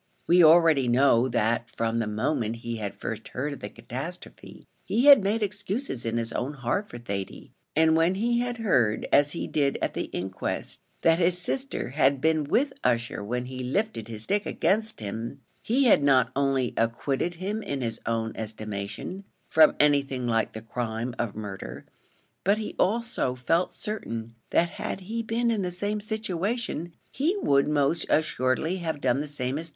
We already know that from the moment he had first heard of the catastrophe, he had made excuses in his own heart for Thady; and when he had heard, as he did at the inquest, that his sister had been with Ussher when he lifted his stick against him, he had not only acquitted him in his own estimation, from anything like the crime of murder, but he also felt certain that had he been in the same situation, he would most assuredly have done the same as Thady had done.